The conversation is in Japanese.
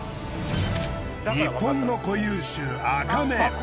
日本の固有種アカメ。